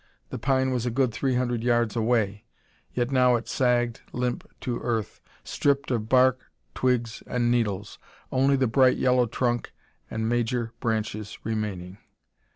The pine was a good three hundred yards away, yet now it sagged limp to earth, stripped of bark, twigs and needles, only the bright yellow trunk and major branches remaining.